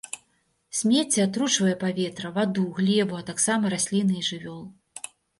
Смецце атручвае паветра, ваду, глебу, а таксама расліны і жывёл.